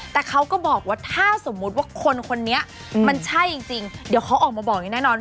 แต่เขาก็บอกว่าถ้าสมมุติว่าคนคนนี้มันใช่จริงเดี๋ยวเขาออกมาบอกอย่างแน่นอน